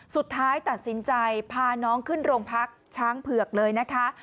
สุดท้ายตัดสินใจพาน้องขึ้นโรงพักช้างเผือกเลยนะคะ